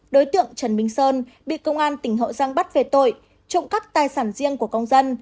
đối tượng trần minh sơn bị công an tỉnh hậu giang bắt về tội trộm cắp tài sản riêng của công dân